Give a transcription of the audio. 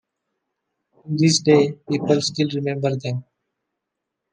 To this day people still remember them.